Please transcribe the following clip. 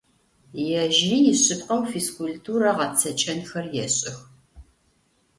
Ежьыри ишъыпкъэу физкультурэ гъэцэкӀэнхэр ешӀых.